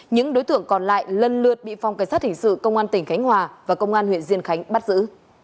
những đối tượng còn lại lần lượt bị phong cảnh sát hình sự công an tỉnh khánh hòa và công an huyện diên khánh bắt giữ